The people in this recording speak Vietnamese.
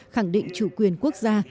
khẳng định chủ quyền quốc gia